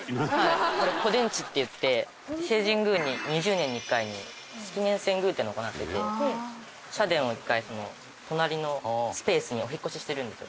これ古殿地っていって伊勢神宮２０年に１回式年遷宮っていうのを行ってて社殿を一回隣のスペースにお引っ越ししてるんですよ。